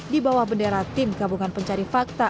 di bawah bendera tim gabungan pencari fakta